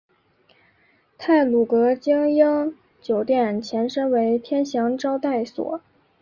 太鲁阁晶英酒店前身为天祥招待所。